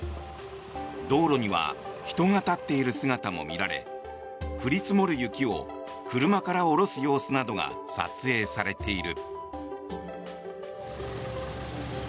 道路には人が立っている姿も見られ降り積もる雪を車から下ろす様子などが撮影されている。